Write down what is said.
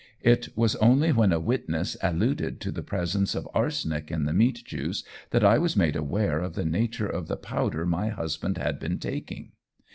It was only when a witness alluded to the presence of arsenic in the meat juice that I was made aware of the nature of the powder my husband had been taking.